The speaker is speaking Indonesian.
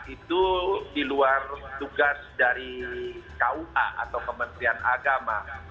itu di luar tugas dari kua atau kementerian agama